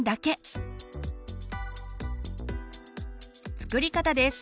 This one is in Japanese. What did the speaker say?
作り方です。